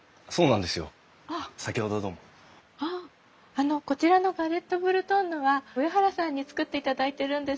あのこちらのガレットブルトンヌは上原さんに作っていただいてるんです。